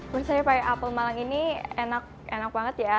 menurut saya pie apple malang ini enak banget ya